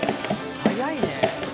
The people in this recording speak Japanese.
速いね。